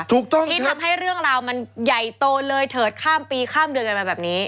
ที่ทำให้เรื่องราวมันใหญ่โตเลยเถิดข้ามปีข้ามเดือนกันมาแบบนี้